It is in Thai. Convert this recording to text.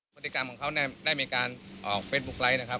พฤติกรรมของเขาได้มีการออกเฟสบุ๊คไลท์